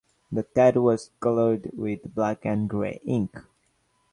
The tattoo was colored with black and gray ink.